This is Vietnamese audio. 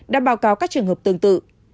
đã báo cáo các trường hợp tương tự